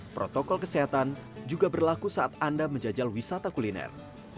tetapi protokol kesehatan covid sembilan belas juga berlaku saat anda menjajal wisata kuliner